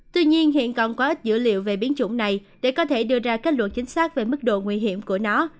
tuy nhiên hiện còn có ít dữ liệu về biến chủng này để có thể đưa ra kết luận chính xác về mức độ nguy hiểm của nó